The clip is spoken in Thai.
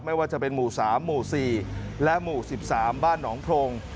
ไม่ว่าจะเป็นหมู่๓หมู่๔และหมู่๑๓บ้านหนองโพรง